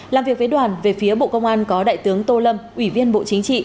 làm việc với đoàn về phía bộ công an có đại tướng tô lâm ủy viên bộ chính trị